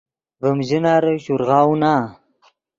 ڤیم ژناری شورغاؤو نا